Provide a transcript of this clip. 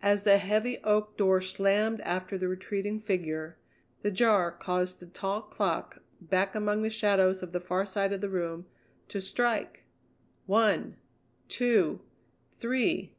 As the heavy oak door slammed after the retreating figure, the jar caused the tall clock, back among the shadows of the far side of the room, to strike! One, two, three!